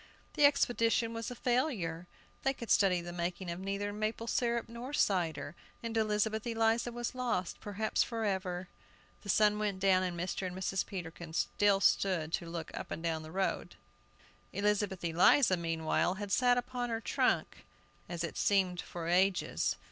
The expedition was a failure! They could study the making of neither maple syrup nor cider, and Elizabeth Eliza was lost, perhaps forever! The sun went down, and Mr. and Mrs. Peterkin still stood to look up and down the road. ... Elizabeth Eliza meanwhile, had sat upon her trunk, as it seemed for ages.